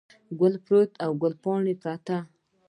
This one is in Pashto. ګل پروت او ګل پاڼه پرته ده.